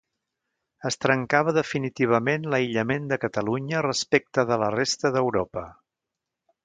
Es trencava definitivament l'aïllament de Catalunya respecte de la resta d'Europa.